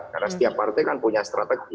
karena setiap partai kan punya strategi